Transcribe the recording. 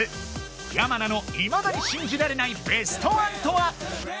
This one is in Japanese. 山名のいまだに信じられないベストワンとは？